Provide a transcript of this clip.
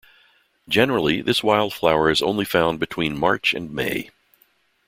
Generally this wildflower is only found between March and May.